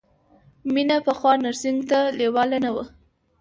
مینه پخوا نرسنګ ته لېواله نه وه